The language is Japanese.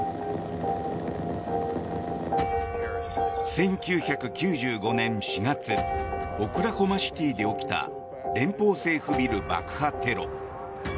１９９５年４月オクラホマシティーで起きた連邦政府ビル爆破テロ。